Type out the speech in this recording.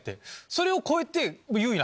それを超えて。